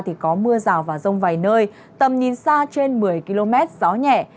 thì có mưa rào và rông vài nơi tầm nhìn xa trên một mươi km gió nhẹ